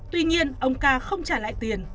tuy nhiên ông ca không trả lại tiền